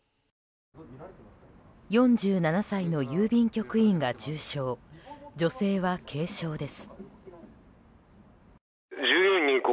４７歳の郵便局員が重傷女性は軽傷です。